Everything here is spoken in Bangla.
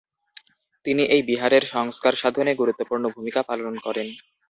তিনি এই বিহারের সংস্কার সাধনে গুরুত্বপূর্ণ ভূমিকা পালন করেন।